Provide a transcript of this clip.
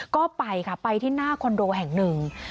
ก็ไปค่ะไปที่หน้าคอนโดแห่งหนึ่ง